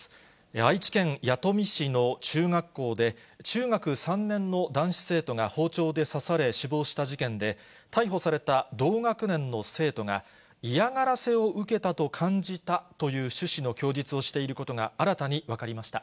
愛知県弥富市の中学校で、中学３年の男子生徒が包丁で刺され、死亡した事件で、逮捕された同学年の生徒が、嫌がらせを受けたと感じたという趣旨の供述をしていることが新たに分かりました。